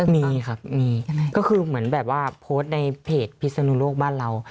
มีครับมีก็คือเหมือนแบบว่าโพสต์ในเพจพิศนุโลกบ้านเรา